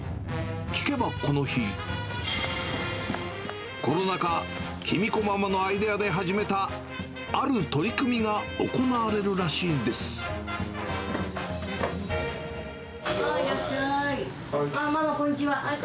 聞けばこの日、コロナ禍、喜美子ママのアイデアで始めたある取り組みが行われるらしいんではーい、いらっしゃい。